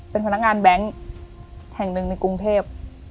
เป็นพนักงานแบงค์แห่งหนึ่งในกรุงเทพ